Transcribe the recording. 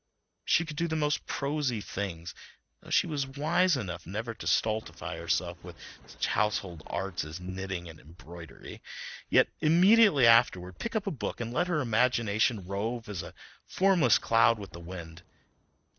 She could do the most prosy things (though she was wise enough never to stultify herself with such "household arts" as knitting and embroidery), yet immediately afterward pick up a book and let her imagination rove as a formless cloud with the wind.